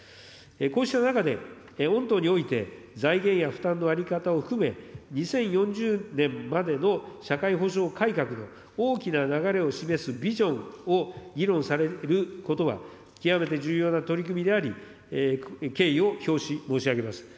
こうした中で、御党において、財源や負担の在り方を含め、２０４０年までの社会保障改革の大きな流れを示すビジョンを議論されることは、極めて重要な取り組みであり、敬意を表し申し上げます。